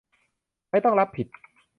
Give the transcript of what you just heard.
ไม่ต้องรับผิด